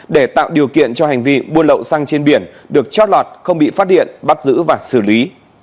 để tạo điều kiện cho hành vi buôn lậu xăng trên biển được trót lọt không bị phát hiện bắt giữ và xử lý